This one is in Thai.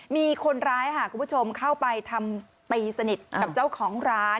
มีคนร้ายค่ะคุณผู้ชมเข้าไปทำตีสนิทกับเจ้าของร้าน